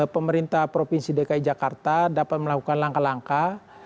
pemerintah provinsi dki jakarta dapat melakukan langkah langkah